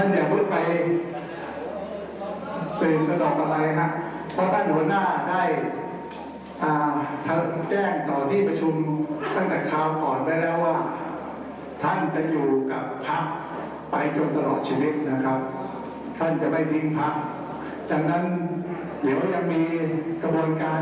เดี๋ยวมันยังมีกระบวนการแต่งตั้งหัวหน้าพักษ์นะครับ